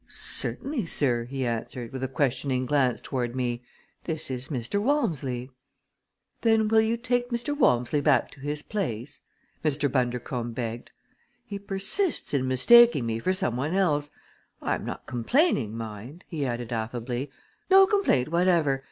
"Certainly, sir," he answered, with a questioning glance toward me. "This is Mr. Walmsley." "Then will you take Mr. Walmsley back to his place?" Mr. Bundercombe begged. "He persists in mistaking me for some one else. I am not complaining, mind," he added affably; "no complaint whatever!